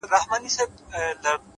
صادق چلند د اعتماد اړیکې ژوروي.!